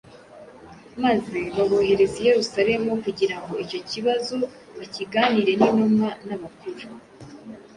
maze babohereza i Yerusalemu kugira ngo icyo kibazo bakiganire n’intumwa n’abakuru.